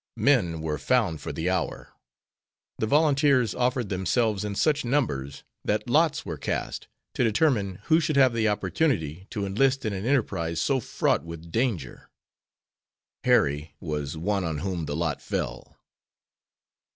Men were found for the hour. The volunteers offered themselves in such numbers that lots were cast to determine who should have the opportunity to enlist in an enterprise so fraught with danger. Harry was one on whom the lot fell.